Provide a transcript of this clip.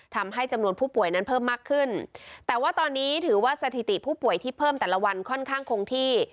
ทำให้จำนวนผู้ป่วยนั้นเพิ่มมากขึ้นแต่ว่าตอนนี้ถือว่าสถิติผู้ป่วยที่เพิ่มแต่ละวันค่อนข้างคงที่